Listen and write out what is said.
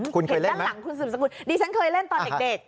คุณเคยเล่นไหมหลังคุณสุดสกุลดิฉันเคยเล่นตอนเด็กเด็ก